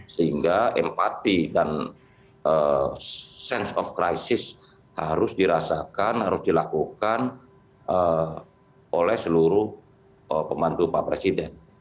sehingga empati dan sense of crisis harus dirasakan harus dilakukan oleh seluruh pembantu pak presiden